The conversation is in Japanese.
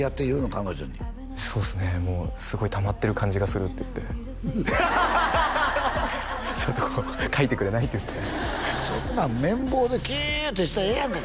彼女にそうっすねもうすごいたまってる感じがするって言ってちょっとこうかいてくれない？って言ってそんなん綿棒でけーってしたらええやんか